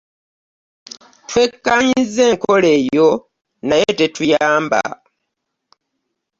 Twekkaanyizza enkola eyo naye tetuyamba.